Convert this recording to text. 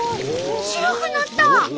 白くなった！